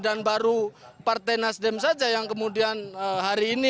dan baru partai nasdem saja yang kemudian hari ini